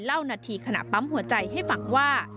เล่านาทีขณะปั๊มหัวใจให้ฟังว่า